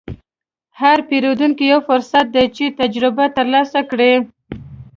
هر پیرودونکی یو فرصت دی چې تجربه ترلاسه کړې.